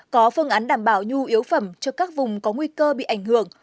có phương án đảm bảo nhu yếu phẩm cho các vùng có nguy cơ bị ảnh hưởng